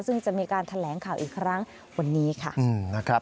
ซึ่งจะมีการแถลงข่าวอีกครั้งวันนี้ค่ะนะครับ